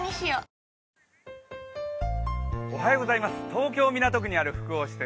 東京・港区にある複合施設